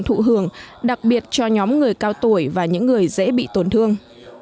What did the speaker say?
thường đặc biệt cho nhóm người cao tuổi và những người dễ bị tổn thương